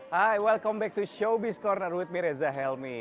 hai selamat datang kembali di showbiz corner bersama saya reza helmi